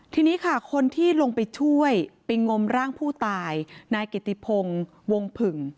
ทีนี้ค่ะคนที่ลงไปช่วยไปงมร่างผู้ตายนายกิติพงศ์วงผึ่ง